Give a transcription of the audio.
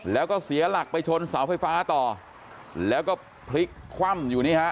แล้วก็เสียหลักไปชนเสาไฟฟ้าต่อแล้วก็พลิกคว่ำอยู่นี่ฮะ